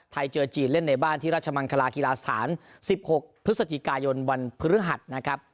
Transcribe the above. เจอจีนเล่นในบ้านที่ราชมังคลากีฬาสถาน๑๖พฤศจิกายนวันพฤหัสนะครับ